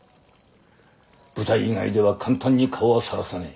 舞台以外では簡単に顔をさらさねえ。